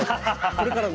これからの。